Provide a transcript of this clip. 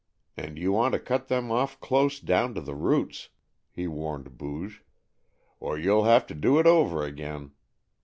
And you want to cut them off close down to the roots," he warned Booge, "or you'll have to do it over again.